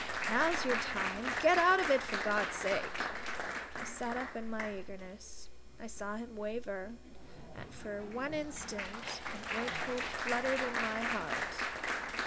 Now's your time. Get out of it, for God's sake!" I sat up in my eagerness. I saw him waver. And for one instant a great hope fluttered in my heart.